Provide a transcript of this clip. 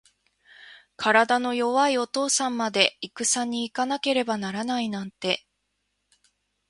体の弱いお父さんまで、いくさに行かなければならないなんて。